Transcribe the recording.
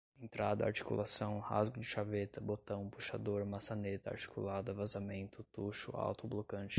entrada, articulação, rasgo de chaveta, botão, puxador, maçaneta, articulada, vazamento, tucho, autoblocante